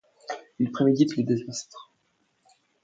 Ils préméditent les désastres.